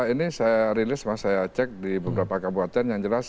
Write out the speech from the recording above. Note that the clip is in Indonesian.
ini saya rilis mas saya cek di beberapa kabupaten yang jelas